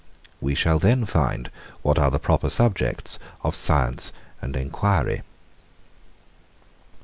We shall then find what are the proper subjects of science and enquiry.